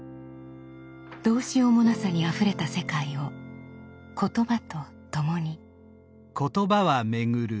どうしようもなさにあふれた世界を言葉とともに。